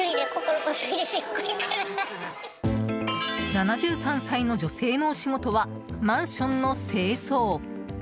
７３歳の女性のお仕事はマンションの清掃。